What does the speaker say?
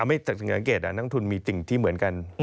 เอาให้เก็บนักลงทุนมีสิ่งที่เหมือนกัน